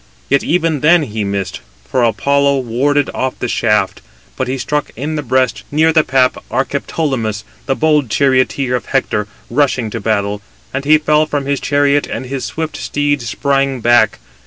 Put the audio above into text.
Yet even then he missed, for Apollo warded off the shaft: but he struck in the breast, near the pap, Archeptolemus, the bold charioteer of Hector, rushing to battle: and he fell from his chariot, and his swift steeds sprang back.